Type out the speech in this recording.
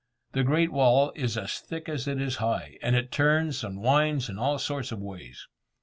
The Great Wall is as thick as it is high, and it turns and winds in all sorts of ways.